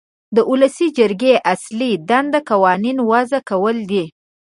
د ولسي جرګې اصلي دنده قوانین وضع کول دي.